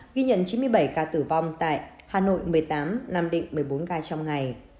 ghi nhận chín mươi bảy ca tử vong tại hà nội một mươi tám nam định một mươi bốn ca trong ngày